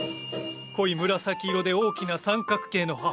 濃い紫色で大きな三角形の葉。